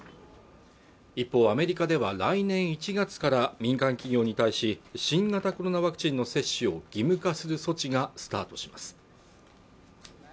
一方アメリカでは来年１月から民間企業に対し新型コロナワクチンの接種を義務化する措置がスタートします